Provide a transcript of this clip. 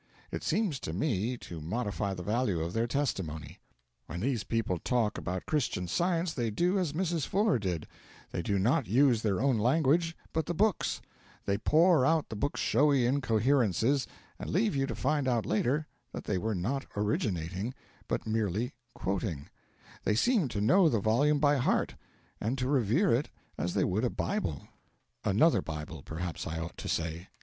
It seems to me to modify the value of their testimony. When these people talk about Christian Science they do as Mrs. Fuller did; they do not use their own language, but the book's; they pour out the book's showy incoherences, and leave you to find out later that they were not originating, but merely quoting; they seem to know the volume by heart, and to revere it as they would a Bible another Bible, perhaps I ought to say.